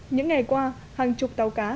những ngày qua hàng chục tàu cá